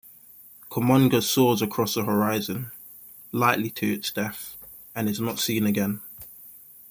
Kumonga soars across the horizon, likely to its death, and is not seen again.